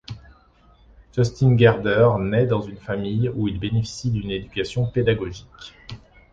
Jostein Gaarder naît dans une famille où il bénéficie d'une éducation pédagogique.